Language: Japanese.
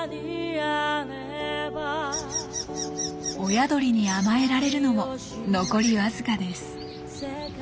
親鳥に甘えられるのも残りわずかです。